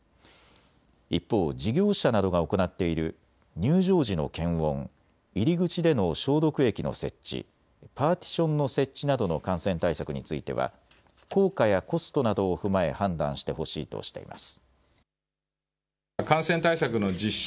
一方、事業者などが行っている入場時の検温、入り口での消毒液の設置、パーティションの設置などの感染対策については効果やコストなどを踏まえ判断してほしいとしています。